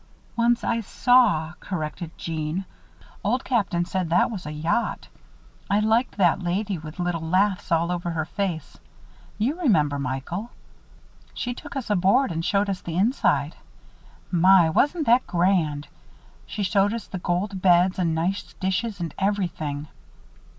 "Once I saw," corrected Jeanne. "Old Captain said that was a yacht. I liked that lady with little laughs all over her face. You remember, Michael. She took us aboard and showed us the inside. My! wasn't that grand! She showed us the gold beds and nice dishes and everything."